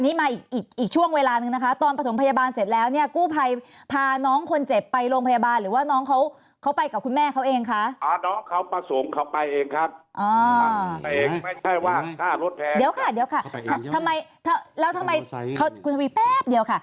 เดี๋ยวค่ะเดี๋ยวค่ะทำไมแล้วทำไมคุณทวีแป๊บเดี๋ยวค่ะ